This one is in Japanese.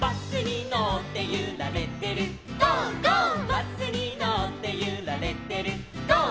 「バスにのってゆられてるゴー！